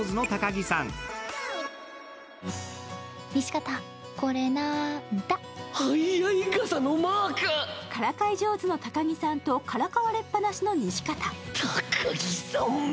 からかい上手の高木さんとからかわれっぱなしの西片。